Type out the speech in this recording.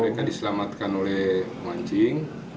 mereka diselamatkan oleh mancing